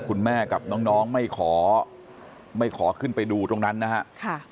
คุณแม่กับน้องไม่ขอขึ้นไปดูตรงนั้นนะฮะ